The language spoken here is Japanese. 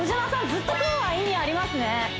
ずっと今日は意味ありますね